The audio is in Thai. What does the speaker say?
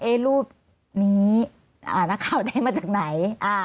เอ๊ะรูปนี้นักข่าวนี้มาจากไหน